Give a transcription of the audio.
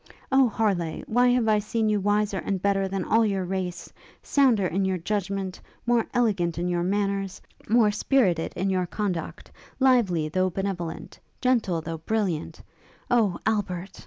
O Harleigh! why have I seen you wiser and better than all your race; sounder in your judgment, more elegant in your manners, more spirited in your conduct; lively though benevolent, gentle, though brilliant, Oh Albert!